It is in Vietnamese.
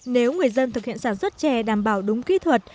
nếu người dân thực hiện sản xuất chè đảm bảo đúng kỹ thuật